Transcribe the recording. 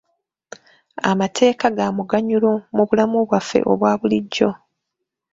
Amateeka ga muganyulo mu bulamu bwaffe obwa bulijjo.